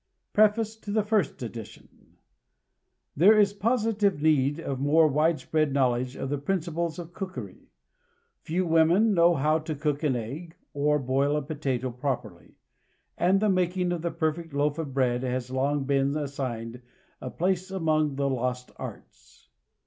PREFACE TO THE FIRST EDITION. THERE is positive need of more widespread knowledge of the principles of cookery. Few women know how to cook an egg or boil a potato properly, and the making of the perfect loaf of bread has long been assigned a place among the "lost arts."